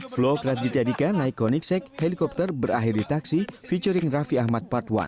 vlog raditya dika naik koenigsegg helikopter berakhir di taksi featuring raffi ahmad part satu